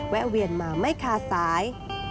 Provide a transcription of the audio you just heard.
เวียนมาไม่คาสาย